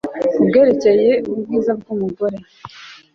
kubyerekeye ubwiza bw'umugore